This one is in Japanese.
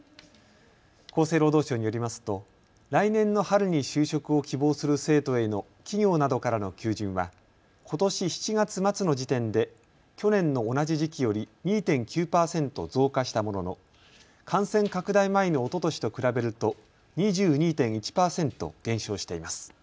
厚生労働省によりますと来年の春に就職を希望する生徒への企業などからの求人はことし７月末の時点で去年の同じ時期より２．９％増加したものの感染拡大前のおととしと比べると２２．１％減少しています。